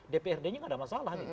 dprd nya nggak ada masalah nih